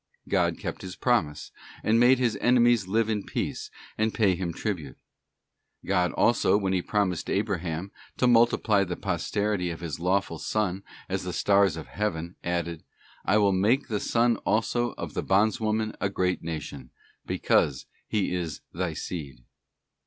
'* God kept His promise, and made his enemies live in peace, and pay him tribute. God also, when He promised Abraham to multiply the posterity of his lawful son as the stars of heaven, added: 'I will make the son also of the bondwoman a great nation, because he is thy seed.